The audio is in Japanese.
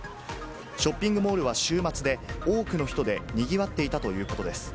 ショッピングモールは週末で、多くの人でにぎわっていたということです。